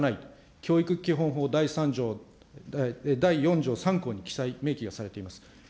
教育基本法第３条、第４条３項に記載、明記がされております。